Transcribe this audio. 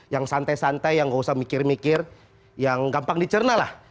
yang santai santai yang gak usah mikir mikir yang gampang dicerna lah